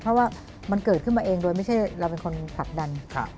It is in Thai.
เพราะว่ามันเกิดขึ้นมาเองเพราะไม่มีคนขาดดัน